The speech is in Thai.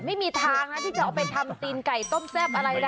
ไม่มีทางนะที่จะเอาไปทำตีนไก่ต้มแซ่บอะไรนะ